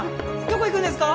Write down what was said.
どこ行くんですか？